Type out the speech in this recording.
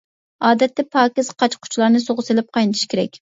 ئادەتتە پاكىز قاچا-قۇچىلارنى سۇغا سېلىپ قاينىتىش كېرەك.